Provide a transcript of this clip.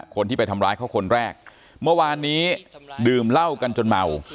คนที่ไปทำร้ายเขาคนแรกเมื่อวานนี้ดื่มเหล้ากันจนเมา